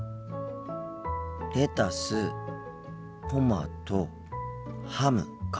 レタストマトハムか。